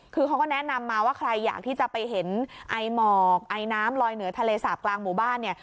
คือเขาก็แนะนำมาว่าใครอยากที่จะไปเห็นไอหมอกไอน้ำลอยเหนือทะเลสาบกลางหมู่บ้านเนี่ย